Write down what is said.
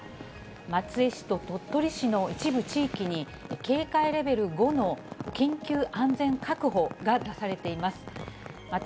松江市と鳥取市の一部地域に警戒レベル５の緊急安全確保が出されています。